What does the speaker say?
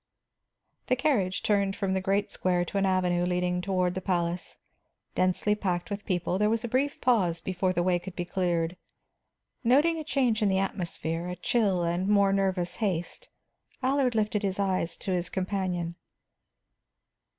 The carriage turned from the great square to an avenue leading toward the palace. Densely packed with people, there was a brief pause before the way could be cleared. Noting a change in the atmosphere, a chill and more nervous haste, Allard lifted his eyes to his companion.